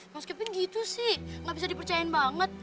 meskipun gitu sih nggak bisa dipercayain banget